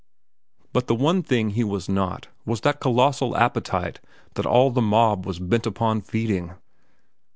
But the one thing he was not was that colossal appetite that all the mob was bent upon feeding.